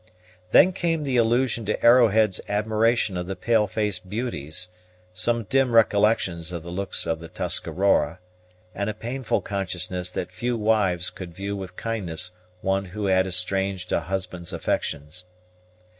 Then came the allusion to Arrowhead's admiration of the pale face beauties, some dim recollections of the looks of the Tuscarora, and a painful consciousness that few wives could view with kindness one who had estranged a husband's affections.